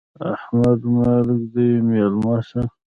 احمده! مرګ دې مېلمه سه.